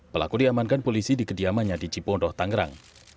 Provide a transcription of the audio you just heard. pelaku diamankan polisi di kediamannya di cipondoh tangerang